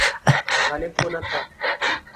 غالب کو نہ تھا۔